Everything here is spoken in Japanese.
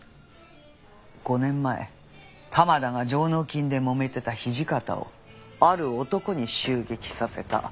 ５年前玉田が上納金で揉めてた土方をある男に襲撃させた。